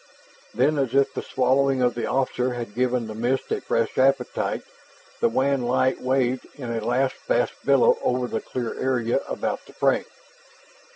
Then, as if the swallowing of the officer had given the mist a fresh appetite, the wan light waved in a last vast billow over the clear area about the frame.